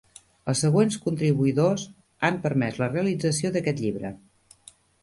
Els següents contribuïdors han permès la realització d'aquest llibre.